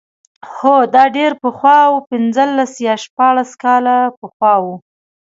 هو دا ډېر پخوا و پنځلس یا شپاړس کاله پخوا و.